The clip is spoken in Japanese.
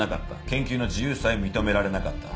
研究の自由さえ認められなかった。